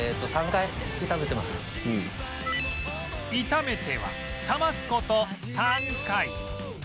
炒めては冷ます事３回